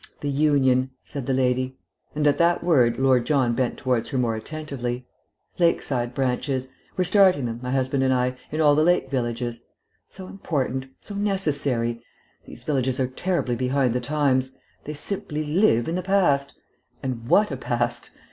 "The Union," said the lady; and at that word Lord John bent towards her more attentively. "Lakeside branches. We're starting them, my husband and I, in all the lake villages. So important; so necessary. These villages are terribly behind the times. They simply live in the past. And what a past!